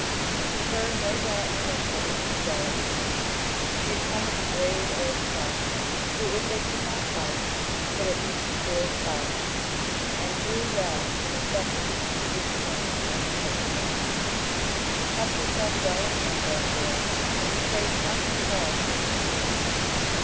To her no doubt remained of his infidelity. She had come of a brave old stock, who, if they could not fight, could at least endure in silence, and knew well the necessity of keeping her name out of the public mouth. She kept herself well in hand, therefore, and betrayed nothing of all she had been feeling.